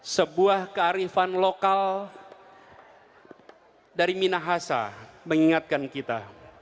sebuah kearifan lokal dari minahasa mengingatkan kita